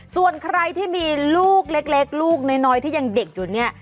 ส่วนใครที่มีลูกเล็กลูกน้อยที่ยังเด็กอยู่เนี่ย